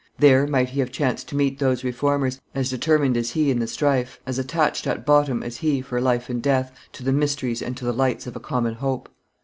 There might he have chanced to meet those Reformers, as determined as he in the strife, as attached, at bottom, as he, for life and death, to the mysteries and to the lights of a common hope.